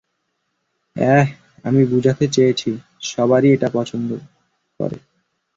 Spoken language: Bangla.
আহ, আমি বুঝাতে চেয়েছি, সবাই এটা পছন্দ করে।